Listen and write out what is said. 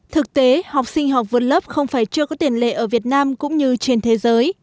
thực tế học sinh học vượt lớp không phải chưa có tiền lệ ở việt nam cũng như trên thế giới